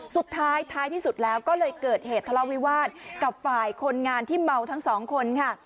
สุดท้ายท้ายที่สุดแล้วก็เลยเกิดเหตุทะเลาวิวาสกับฝ่ายคนงานที่เมาทั้งสองคนค่ะ